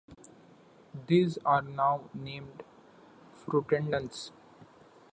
These are now named "Fruitadens".